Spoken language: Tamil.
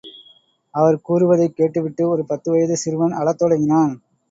அவர் கூறுவதைக் கேட்டுவிட்டு ஒரு பத்து வயதுச் சிறுவன் அழத் தொடங்கினான்.